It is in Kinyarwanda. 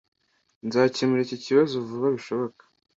Nzakemura iki kibazo vuba bishoboka.